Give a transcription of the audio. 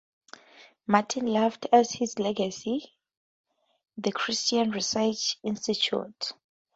Martin left as his legacy the Christian Research Institute.